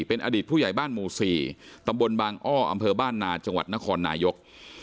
เป็นอดีตผู้ใหญ่บ้านหมู่๔ตำบลบางอ้ออำเภอบ้านนาจังหวัดนครนายก